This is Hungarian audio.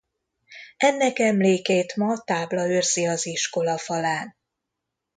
Ennek emlékét ma tábla őrzi az iskola falán.